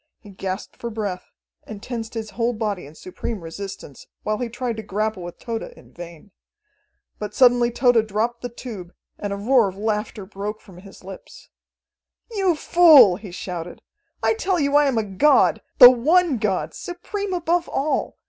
He gasped for breath, and tensed his whole body in supreme resistance, while he tried to grapple with Tode in vain. But suddenly Tode dropped the tube, and a roar of laughter broke from his lips. "You fool!" he shouted. "I tell you I am a god, the one god, supreme above all.